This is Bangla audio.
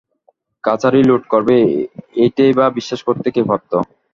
কাছারি লুঠ করবে এইটেই বা বিশ্বাস করতে কে পারত?